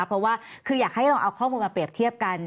เพราะว่าคืออยากให้ลองเอาข้อมูลมาเปรียบเทียบกัน